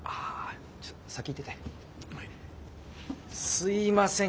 すいません